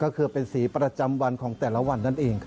ก็คือเป็นสีประจำวันของแต่ละวันนั่นเอง